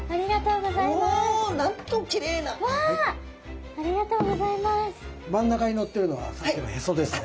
うわありがとうギョざいます。